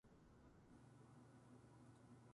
握力が弱い